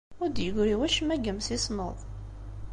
Ur d-yeggri wacemma deg yimsismeḍ.